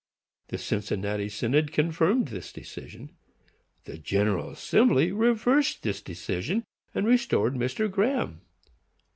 The Cincinnati Synod confirmed this decision. The General Assembly reversed this decision, and restored Mr. Graham.